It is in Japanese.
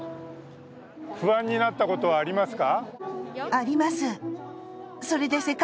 不安になったことはありますか？